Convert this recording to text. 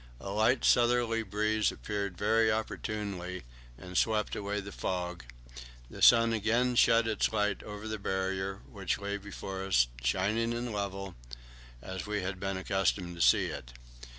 A light southerly breeze appeared very opportunely and swept away the fog; the sun again shed its light over the Barrier, which lay before us, shining and level, as we had been accustomed to see it.